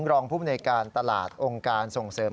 รองภูมิในการตลาดองค์การส่งเสริม